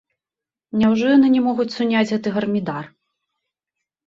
Няўжо яны не могуць суняць гэты гармідар?